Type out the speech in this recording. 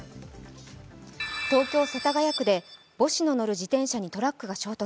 東京・世田谷区で母子の乗る自転車にトラックが衝突。